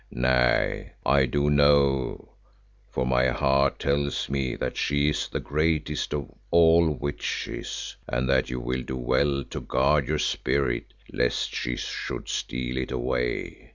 Nay, I do know, for my heart tells me that she is the greatest of all witches and that you will do well to guard your spirit lest she should steal it away.